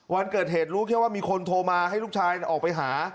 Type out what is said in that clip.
วันเกิดเหตุรู้แค่ว่ามีคนโทรมาให้ลูกชายออกไปหา